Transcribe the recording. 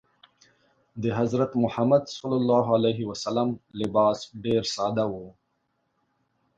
د حضرت محمد ﷺ لباس ډېر ساده و.